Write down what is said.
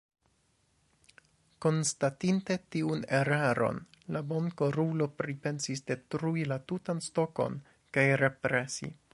Konstatinte tiun eraron, la bonkorulo pripensis detrui la tutan stokon kaj represi.